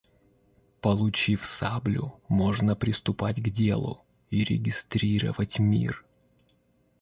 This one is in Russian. Получив саблю, можно приступать к делу и регистрировать мир.